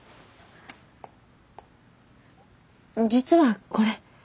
実はこれ。